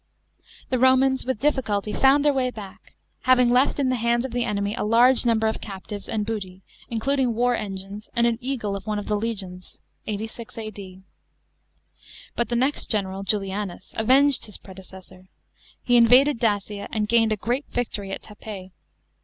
The Romans with difficulty found their way back, having left in the hands of the enemy a large number of captives, and booty, including war engines, and an eagle of one of the legions (86 A.D.). But the next general, Jnlianus, avenged his predecessor. He invaded Dacia, and gained a great victory at Tapa3.